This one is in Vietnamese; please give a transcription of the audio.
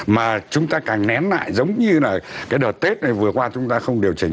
mà chúng ta càng nén lại giống như là cái đợt tết này vừa qua chúng ta không điều chỉnh